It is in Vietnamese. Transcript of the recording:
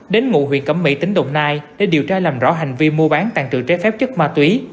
đến ngụ huyện cẩm mỹ tỉnh đồng nai để điều tra làm rõ hành vi mua bán tàn trự trái phép chất ma túy